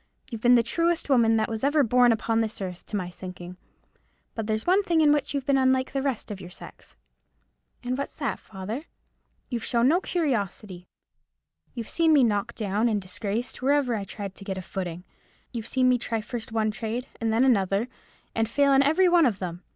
You've been the truest woman that was ever born upon this earth, to my thinking; but there's one thing in which you've been unlike the rest of your sex." "And what's that, father?" "You've shown no curiosity. You've seen me knocked down and disgraced wherever I tried to get a footing; you've seen me try first one trade and then another, and fail in every one of them.